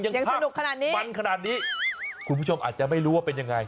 ยังพากมันขนาดนี้คุณผู้ชมอาจจะไม่รู้ว่าเป็นยังไง